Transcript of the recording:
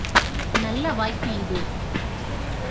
நல்ல வாய்ப்பு இது.